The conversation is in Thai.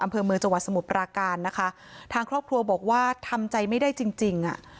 อำเภอเมืองจังหวัดสมุทรปราการนะคะทางครอบครัวบอกว่าทำใจไม่ได้จริงจริงอ่ะ